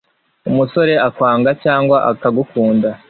umusore akwanga cyangwa akagukunda